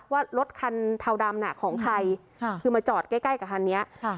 ว่ารถคันเทาดำน่ะของใครคือมาจอดใกล้ใกล้กับคันนี้ค่ะ